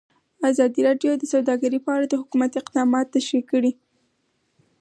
ازادي راډیو د سوداګري په اړه د حکومت اقدامات تشریح کړي.